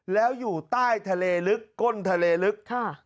แล้วอยู่ใต้ทะเลลึกก้นทะเลลึก